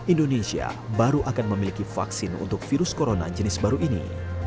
indonesia baru akan memiliki vaksin untuk virus corona jenis baru ini